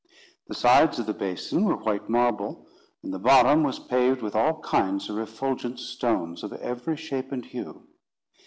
The sides of the basin were white marble, and the bottom was paved with all kinds of refulgent stones, of every shape and hue.